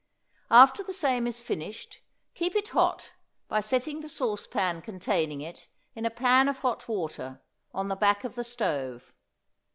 After the same is finished, keep it hot by setting the sauce pan containing it in a pan of hot water, on the back of the stove.